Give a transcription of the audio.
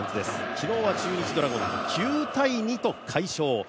昨日は中日ドラゴンズ９−２と快勝。